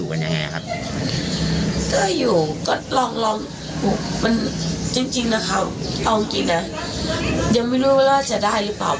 มันจริงนะคะเอาจริงนะยังไม่รู้ว่าจะได้หรือเปล่า